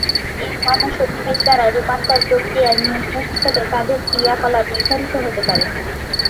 এই ঘন সন্নিবেশ দ্বারা, রূপান্তর প্রক্রিয়ার নিয়ন্ত্রক হিসেবে তাদের ক্রিয়াকলাপ নির্ধারিত হতে পারে।